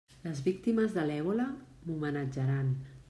Les víctimes de l'èbola, homenatjaran!